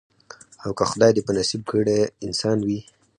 او که خدای دي په نصیب کړی انسان وي